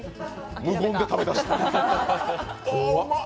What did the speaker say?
無言で食べだした。